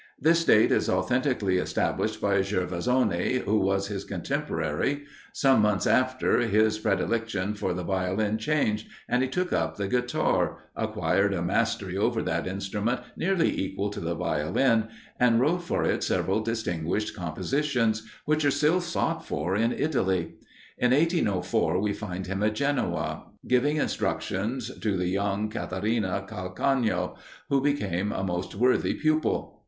This date is authentically established by Gervasoni, who was his contemporary. Some months after, his predilection for the Violin changed, and he took up the Guitar, acquired a mastery over that instrument nearly equal to the Violin, and wrote for it several distinguished compositions, which are still sought for in Italy. In 1804, we find him at Genoa, giving instructions to the young Catarina Calcagno, who became a most worthy pupil.